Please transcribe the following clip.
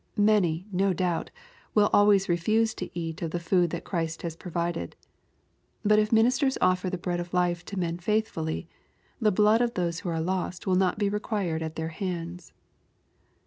Many, no doubt, will always refuse to eat of the food that Christ has provided. But if ministers offer the bread of life to men faithfully, the blood of those who are lost will not be required at their hands.